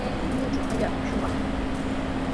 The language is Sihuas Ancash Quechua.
Lluychumi allaapa shumaq.